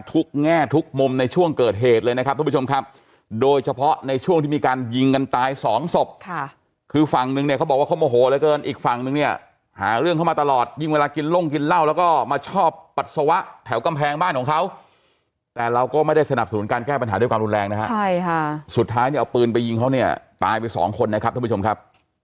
ยิ่งเวลากินร่งกินเหล้าแล้วก็มาชอบปัสสาวะแถวกำแพงบ้านของเขาแต่เราก็ไม่ได้สนับสนุนการแก้ปัญหาด้วยความรุนแรงนะครับใช่ค่ะสุดท้ายเนี่ยเอาปืนไปยิงเขาเนี่ยตายไปสองคนนะครับทุกผู้ชมครับ